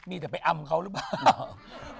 มีแต่ไปอำเขาหรือเปล่า